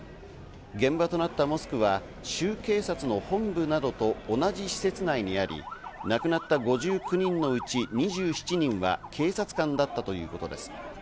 現場となったモスクは州警察の本部などと同じ施設内にあり、亡くなった５９人のうち２７人は警察官だったということです。